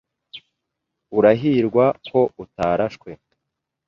Urahirwa ko utarashwe.